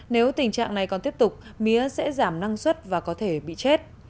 nếu tình trạng này còn tiếp tục mía sẽ giảm năng suất và có thể bị chết